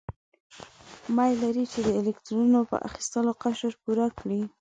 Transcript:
میل لري چې د الکترونو په اخیستلو قشر پوره کړي.